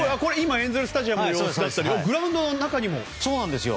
エンゼル・スタジアムの様子やグラウンドの中にも。